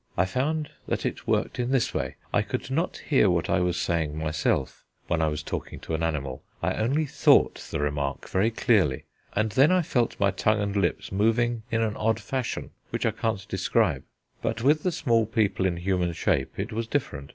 I found that it worked in this way: I could not hear what I was saying myself, when I was talking to an animal: I only thought the remark very clearly, and then I felt my tongue and lips moving in an odd fashion, which I can't describe. But with the small people in human shape it was different.